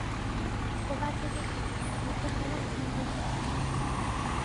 我爸最近很忙，每天很晚才回到家。